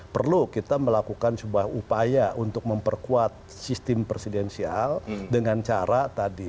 perlu kita melakukan sebuah upaya untuk memperkuat sistem presidensial dengan cara tadi